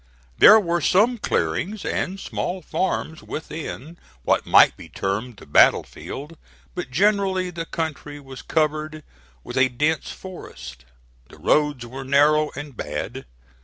There were some clearings and small farms within what might be termed the battle field; but generally the country was covered with a dense forest. The roads were narrow and bad.